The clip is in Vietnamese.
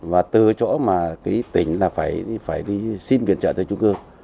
và từ chỗ mà cái tỉnh là phải đi xin viện trợ từ trung ương